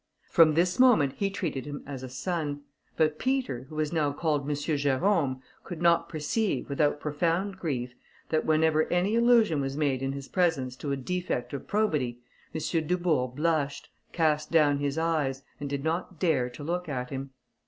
From this moment he treated him as a son; but Peter, who was now called M. Jerôme, could not perceive, without profound grief, that whenever any allusion was made in his presence to a defect of probity, M. Dubourg blushed, cast down his eyes, and did not dare to look at him.